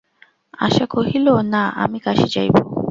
আশা কহিল, না, আমি কাশী যাইব।